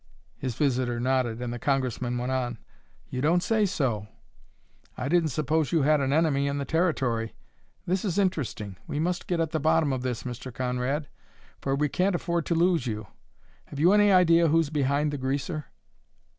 His visitor nodded and the Congressman went on: "You don't say so! I didn't suppose you had an enemy in the Territory. This is interesting! We must get at the bottom of this, Mr. Conrad, for we can't afford to lose you. Have you any idea who's behind the greaser?"